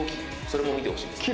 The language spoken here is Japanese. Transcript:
それも見てほしいです。